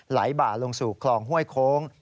บ่าลงสู่คลองห้วยโค้ง